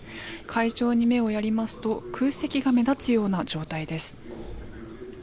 会場に目をやると空席が目立つような状態です。